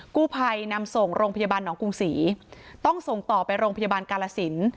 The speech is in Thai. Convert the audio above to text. กู้ภัยนำส่งโรงพยาบาลหนองกรุงศรีต้องส่งต่อไปโรงพยาบาลกาลสิน